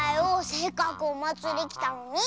せっかくおまつりきたのに！